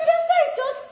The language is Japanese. ちょっと。